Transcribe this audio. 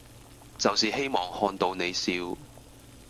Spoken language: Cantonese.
就是希望看到你笑